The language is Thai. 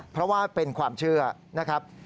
เพราะว่าเป็นความเชื่อนะครับ